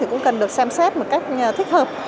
cũng cần được xem xét một cách thích hợp